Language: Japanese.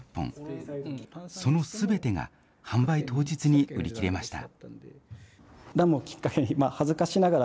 そのすべてが販売当日に売り切れました。